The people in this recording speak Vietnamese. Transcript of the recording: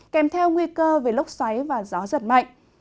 kèm theo nguy cơ về lốc xoáy và gió giật mạnh